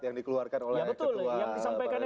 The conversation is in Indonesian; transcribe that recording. yang dikeluarkan oleh ketua ya betul yang disampaikan